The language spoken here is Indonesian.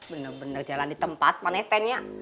bener bener jalan di tempat panetennya